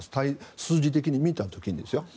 数字的に見た時にですよ。